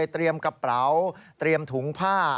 เตรียมกระเป๋าเตรียมถุงผ้า